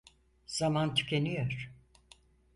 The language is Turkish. Zaman tükeniyor.